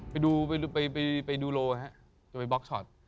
ไปดูไปดูโลฮะจะไปบล็อกช็อต